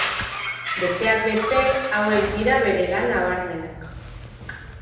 Besteak beste, hauek dira bere lan nabarmenak.